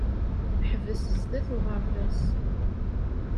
Ḥbes sdat uɣerbaz.